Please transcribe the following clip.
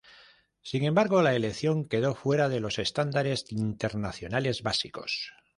Sin embargo, la elección quedó fuera de los estándares internacionales básicos.